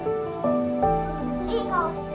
いい顔して。